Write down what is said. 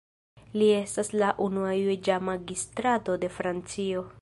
Li estas la unua juĝa magistrato de Francio.